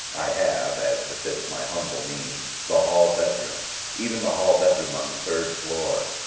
I have, as befits my humble means, the hall bedroom, even the hall bedroom on the third floor.